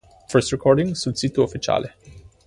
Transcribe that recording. First recording sul sito ufficiale